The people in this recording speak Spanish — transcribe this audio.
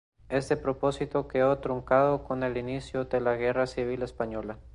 Este propósito quedó truncado con el inicio de la Guerra Civil Española.